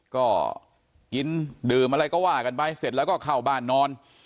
ก็กินดื่มอะไรก็ว่ากันไปเสร็จแล้วก็เข้าบ้านนอน